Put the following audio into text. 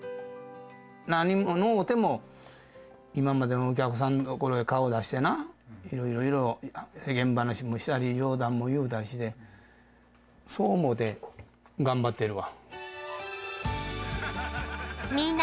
何ものうても、今までのお客さんの所に顔出してな、いろいろ世間話をしたり、冗談言うたりして、そう思うて、頑張っているわ。